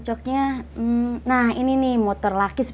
silahkan makan su